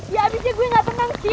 ya abisnya gua gak tenang sid